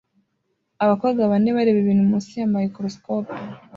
Abakobwa bane bareba ibintu munsi ya microscope